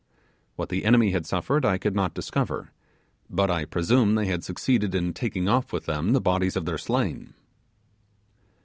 What the enemy had suffered I could not discover, but I presume they had succeeded in taking off with them the bodies of their slain.